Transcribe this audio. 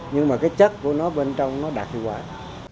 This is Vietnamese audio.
nhưng mà cái chất của nó bên trong nó đặc biệt hoài